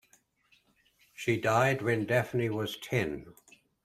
She died when Daphne was ten.